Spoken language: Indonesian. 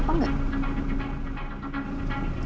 aku juga gak tau sayang